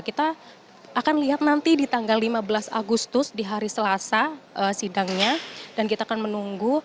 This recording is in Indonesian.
kita akan lihat nanti di tanggal lima belas agustus di hari selasa sidangnya dan kita akan menunggu